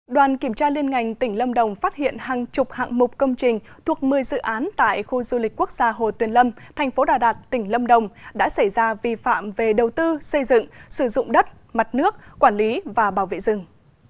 đoàn kiểm tra liên ngành tỉnh lâm đồng phát hiện hàng chục hạng mục công trình thuộc một mươi dự án tại khu du lịch quốc gia hồ tuyền lâm thành phố đà đạt tỉnh lâm đồng đã xảy ra vi phạm về đầu tư xây dựng sử dụng đất mặt nước quản lý và bảo vệ rừng